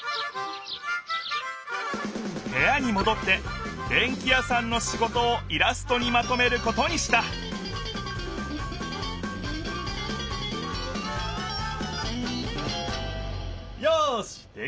へやにもどってでんき屋さんの仕事をイラストにまとめることにしたよしできた！